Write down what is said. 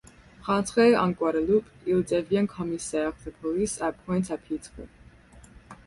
Rentré en Guadeloupe, il devient commissaire de police à Pointe-à-Pitre.